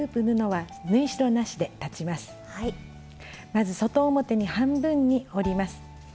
まず外表に半分に折ります。